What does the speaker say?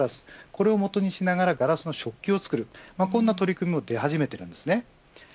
これをもとにしながらガラスの食器を作るこういった取り組みも出始めています。